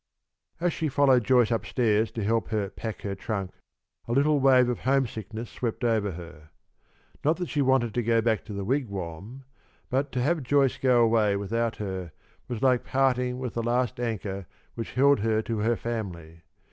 As she followed Joyce up stairs to help her pack her trunk, a little wave of homesickness swept over her. Not that she wanted to go back to the Wigwam, but to have Joyce go away without her was like parting with the last anchor which held her to her family.